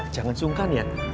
jangan sungkan ya